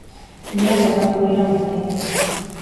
Bihar jokatuko dira guztiak.